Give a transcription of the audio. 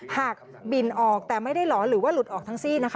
หากบินออกแต่ไม่ได้หลอนหรือว่าหลุดออกทั้งซี่นะคะ